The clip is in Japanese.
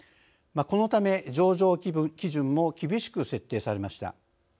このため上場基準も厳しく設定されました。